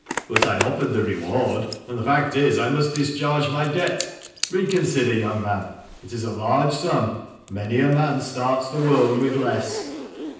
But I offered the reward, and the fact is, I must discharge the debt. Reconsider, young man, it is a * large sum ; many a man starts the world with less."